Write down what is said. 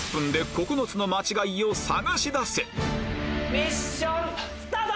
ミッションスタート！